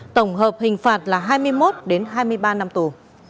tổng hợp hình phạt là hai mươi một đến hai mươi ba năm tù